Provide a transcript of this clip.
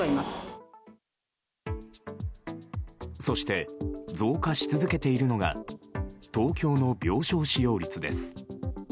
そして、増加し続けているのが東京の病床使用率です。